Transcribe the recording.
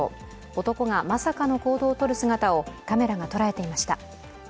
男がまさかの行動を取る姿をカメラが捉えていました。